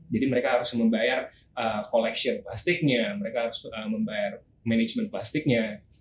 jadi mereka harus membayar collection plastiknya mereka harus membayar management plastiknya